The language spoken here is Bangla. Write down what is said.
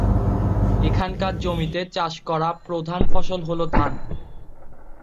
এখানকার জমিতে চাষ করা প্রধান ফসল হল ধান।